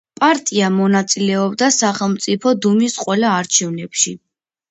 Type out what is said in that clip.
პარტია მონაწილეობდა სახელმწიფო დუმის ყველა არჩევნებში.